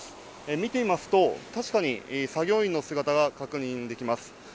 見てみますと、確かに作業員の姿が確認できます。